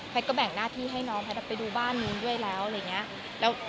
ก็แบ่งหน้าที่ให้น้องแพทย์ไปดูบ้านนู้นด้วยแล้วอะไรอย่างนี้